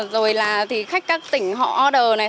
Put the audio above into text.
rồi là thì khách các tỉnh họ order này